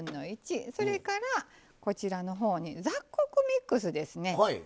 それからこちらの方に雑穀ミックスですね